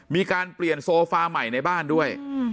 มีการเปลี่ยนโซฟาใหม่ในบ้านด้วย